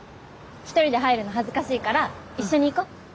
１人で入るの恥ずかしいから一緒に行こう。